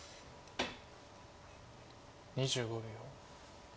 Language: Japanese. ２５秒。